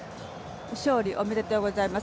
勝利おめでとうございます。